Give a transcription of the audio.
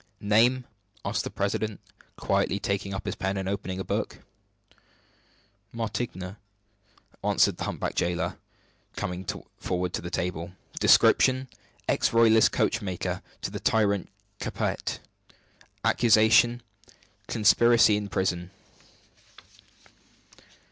"Name?" asked the president, quietly taking up his pen and opening a book. "Martigne," answered the humpbacked jailer, coming forward to the table. "Description?" "Ex royalist coach maker to the tyrant Capet." "Accusation?" "Conspiracy in prison."